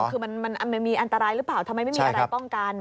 คือมันมีอันตรายหรือเปล่าทำไมไม่มีอะไรป้องกัน